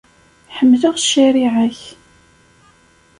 Ḥemmleɣ ccariɛa-k.